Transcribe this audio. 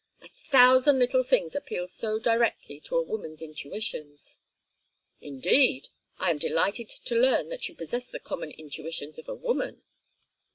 A thousand little things appeal so directly to a woman's intuitions." "Indeed! I am delighted to learn that you possess the common intuitions of a woman."